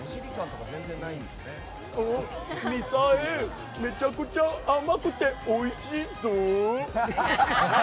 みさえ、めちゃくちゃ甘くておいしいゾ！